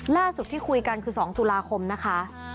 ล่าสุดที่คุยกันคือ๒ตุลาคมนะคะ